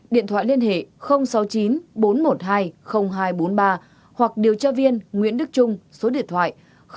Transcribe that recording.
điện thoại liên hệ sáu mươi chín bốn trăm một mươi hai hai trăm bốn mươi ba hoặc điều tra viên nguyễn đức trung số điện thoại chín trăm một mươi ba bốn trăm tám mươi năm hai trăm năm mươi bốn